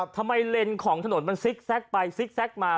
ทำไมเลนส์ของถนนมันซิกแซกไปซิกแซกมา